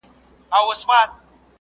کله چي پريکړه اړينه وي بايد چټک عمل وسي.